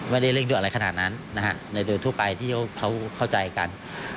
ไม่ได้เร่งด้วยอะไรขนาดนั้นในโดยทั่วไปที่เขาเข้าใจกัน